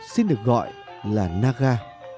xin được gọi là naga